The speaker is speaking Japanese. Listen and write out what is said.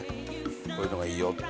こういうのがいいよって。